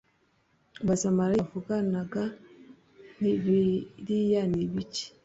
Mbaza marayika twavuganaga nti Biriya ni ibiki